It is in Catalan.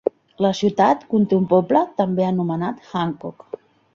La ciutat conté un poble, també anomenat Hancock.